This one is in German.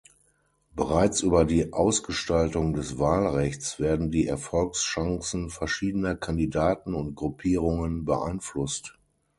Bereits über die Ausgestaltung des Wahlrechts werden die Erfolgschancen verschiedener Kandidaten und Gruppierungen beeinflusst.